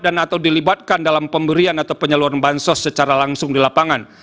dan atau dilibatkan dalam pemberian atau penyaluran bansos secara langsung di lapangan